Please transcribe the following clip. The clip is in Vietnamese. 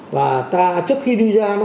và ta trước khi đi ra